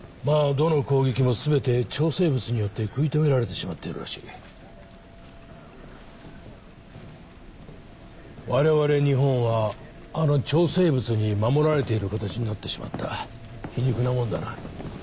どの攻撃もすべて超生物によって食い止められてしまっているらしい我々日本はあの超生物に守られている形になってしまった皮肉なもんだな